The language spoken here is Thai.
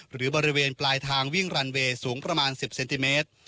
หรือบริเวณปลายทางวิ่งรันเวย์สูงประมาณ๑๐เซนติเมตร